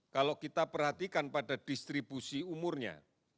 kalau kita perhatikan pada distribusi umurnya